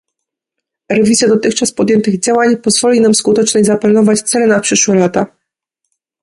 Rewizja dotychczas podjętych działań pozwoli nam skutecznej zaplanować cele na przyszłe lata